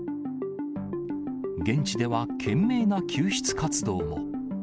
現地では懸命な救出活動も。